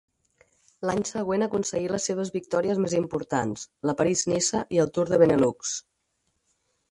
L'any següent aconseguí les seves victòries més importants, la París-Niça i el Tour del Benelux.